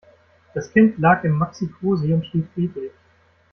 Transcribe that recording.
Das Kind lag im Maxicosi und schlief friedlich.